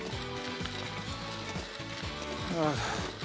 ああ。